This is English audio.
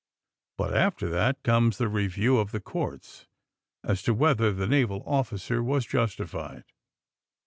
But, after that, comes the review of the courts as to whether the naval officer was justified."